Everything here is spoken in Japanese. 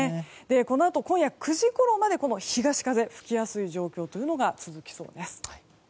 このあと今夜９時ごろまで東風が吹きやすい状況が続きそうです。